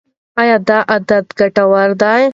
ایا دا عادت ګټور دی؟